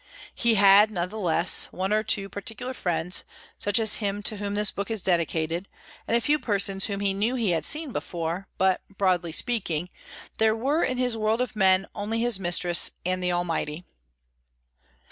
He had, natheless, one or two particular friends, such as him to whom this book is dedicated, and a few persons whom he knew he had seen before, but, broadly speaking, there were in his world of men, only his mistress, and—the almighty.